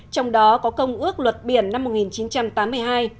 trong đó có công ước luật biển năm một nghìn chín trăm tám mươi hai